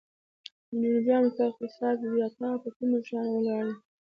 د جنوبي امریکا اقتصاد زیاتره په کومو شیانو ولاړ دی؟